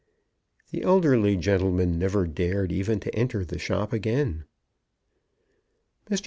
The elderly gentleman never dared even to enter the shop again. Mr.